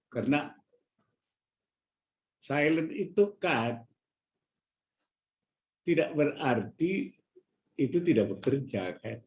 karena silent itu kan tidak berarti itu tidak bekerja